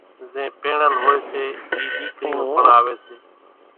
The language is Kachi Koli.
زين پيڻاول ھوئي سي اِي ۮيڪريون پڻ آوي سي